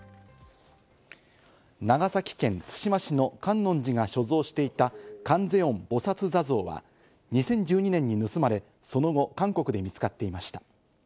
長崎県対馬市の観音寺が所蔵していた観世音菩薩坐像は２０１２年に盗まれ、その後、韓国で見つかっていました。